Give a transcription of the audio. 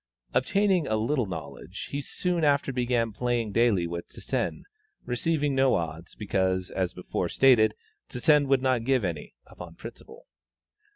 Obtaining a little knowledge, he soon after began playing daily with Zsen, receiving no odds, because, as before stated, Zsen would not give any, upon principle.